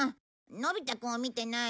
のび太くんを見てない？